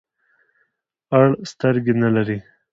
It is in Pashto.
اړ سترګي نلری .